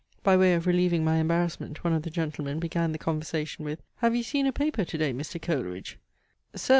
By way of relieving my embarrassment one of the gentlemen began the conversation, with "Have you seen a paper to day, Mr. Coleridge?" "Sir!"